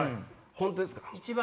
本当ですか？